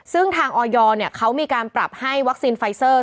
ซึ่งทางออยเขามีการปรับให้วัคซีนไฟเซอร์